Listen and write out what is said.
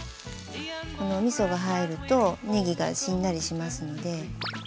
このみそが入るとねぎがしんなりしますので。